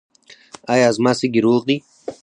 ایا زما سږي روغ دي؟